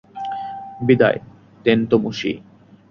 বিদায়, তেনতোমুশি।